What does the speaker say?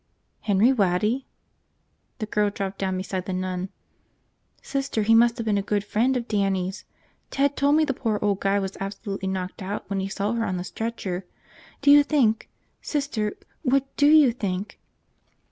"Henry Waddy?" The girl dropped down beside the nun. "Sister, he must have been a good friend of Dannie's! Ted told me the poor old guy was absolutely knocked out when he saw her on the stretcher. Do you think ... Sister, what do you think?"